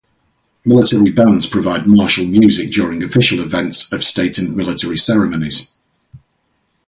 Military bands provide martial music during official events of state and military ceremonies.